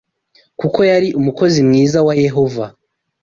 kuko yari umukozi mwiza wa Yehova